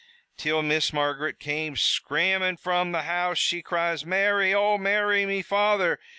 "Till Miss Margaret came scr'amin' from the house. She cries, 'Mary, oh Mary! Me father!